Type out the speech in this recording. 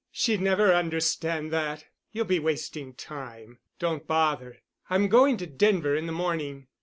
She'd never understand that. You'll be wasting time. Don't bother. I'm going to Denver in the morning.